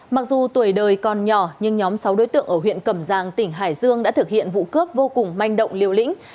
mặc dù tuổi đời còn nhỏ nhưng nhóm sáu đối tượng ở huyện cẩm giang tỉnh hải dương đã thực hiện vụ cướp vô cùng manh động liều lĩnh